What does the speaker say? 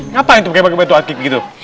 ngapain pakai pakai batu akik gitu